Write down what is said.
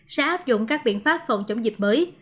sẽ áp dụng các biện pháp phòng chống dịch mới